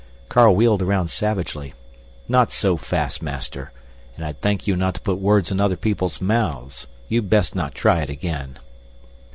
Carl wheeled about savagely. "Not so fast, master! And I'd thank you not to put words in other people's mouths. You'd best not try it again."